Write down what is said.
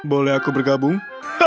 boleh aku bergabung